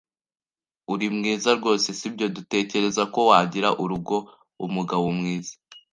Uri mwiza rwose, si byo? Ntutekereza ko wagira urugo-umugabo mwiza?